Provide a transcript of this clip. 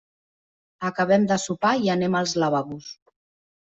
Acabem de sopar i anem als lavabos.